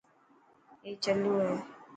اي چلو هي.